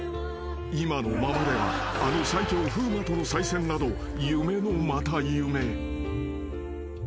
［今のままではあの最強風磨との再戦など夢のまた夢］